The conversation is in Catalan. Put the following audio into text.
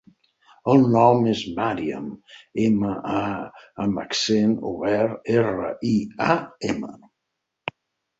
El nom és Màriam: ema, a amb accent obert, erra, i, a, ema.